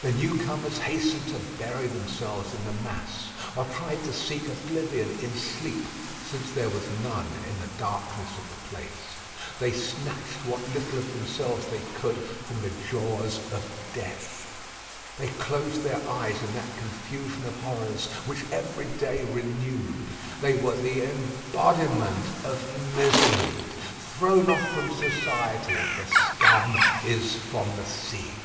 The new comers hastened to bury themselves in the mass, or tried to seek oblivion in sleep, since there was none in the darkness of the place. They snatched what little of themselves they could from the jaws of death. They closed their eyes in that confusion of horrors which every day renewed. They were the embodiment of misery, thrown off from society, as the scum is from the sea.